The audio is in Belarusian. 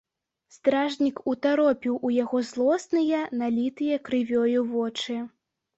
Стражнік утаропіў у яго злосныя, налітыя крывёю вочы.